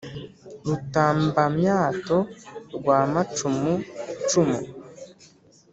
Rutambamyato rwa macumu cumu